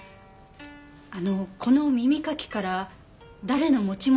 あのこの耳かきから誰の持ち物か調べる事は？